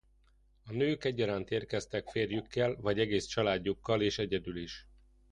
Nők egyaránt érkeztek férjükkel vagy egész családjukkal és egyedül is.